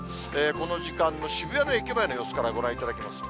この時間の渋谷の駅前の様子からご覧いただきます。